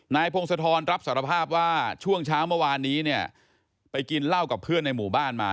พงศธรรับสารภาพว่าช่วงเช้าเมื่อวานนี้เนี่ยไปกินเหล้ากับเพื่อนในหมู่บ้านมา